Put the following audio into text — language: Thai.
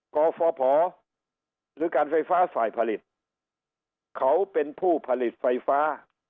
กฟภหรือการไฟฟ้าฝ่ายผลิตเขาเป็นผู้ผลิตไฟฟ้า